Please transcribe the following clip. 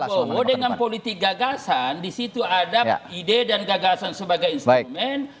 pak prabowo dengan politik gagasan di situ ada ide dan gagasan sebagai instrumen